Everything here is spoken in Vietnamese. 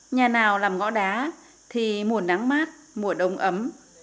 nhà nào làm ngõ đá thì mùa nắng mát mùa đông ấm